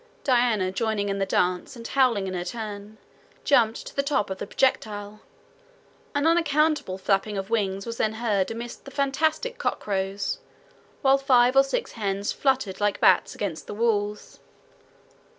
Diana, joining in the dance, and howling in her turn, jumped to the top of the projectile. An unaccountable flapping of wings was then heard amid most fantastic cock crows, while five or six hens fluttered like bats against the walls.